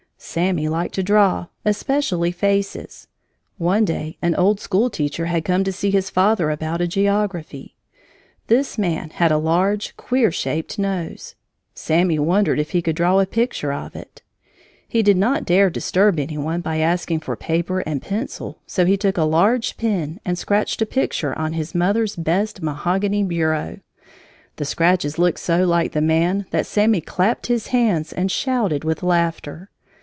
Sammy liked to draw, especially faces! One day an old school teacher had come to see his father about a geography. This man had a large, queer shaped nose. Sammy wondered if he could draw a picture of it. He did not dare disturb any one by asking for paper and pencil, so he took a large pin and scratched a picture on his mother's best mahogany bureau. The scratches looked so like the man that Sammy clapped his hands and shouted with laughter.